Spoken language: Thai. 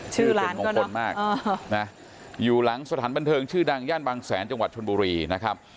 ชื่อเป็นมงคลมากนะอยู่หลังสถานบันเทิงชื่อดังย่านบางแสนจังหวัดชนบุรีนะครับ